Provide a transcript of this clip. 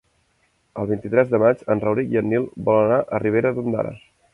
El vint-i-tres de maig en Rauric i en Nil volen anar a Ribera d'Ondara.